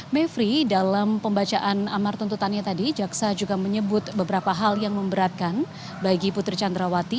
mevri dalam pembacaan amar tuntutannya tadi jaksa juga menyebut beberapa hal yang memberatkan bagi putri candrawati